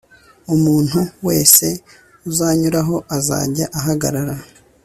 umuntu wese uzayinyuraho azajya ahagarara